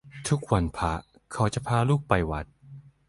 ทุกวันพระเขาจะพาลูกไปวัด